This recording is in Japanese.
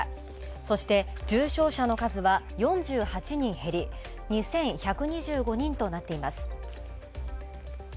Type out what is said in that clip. そして、重症者の数は４８人減り、２１２５人となっています。